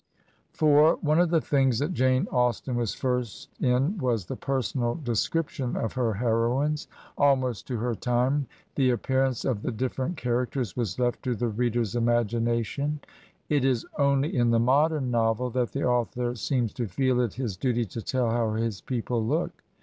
IV One of the things that Jane Austen was first in was the personal description of her heroines. Almost to her time the appearance of the different characters was left to the reader's imagination; it is only in the modem novel that the author seems to feel it his duty to tell how his people look.